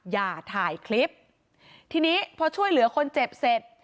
อย่าถ่ายคลิปทีนี้พอช่วยเหลือคนเจ็บเสร็จ